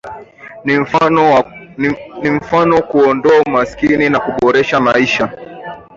Ni mfano kuondoa umaskini na kuboresha maisha